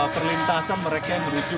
perlintasan mereka yang menuju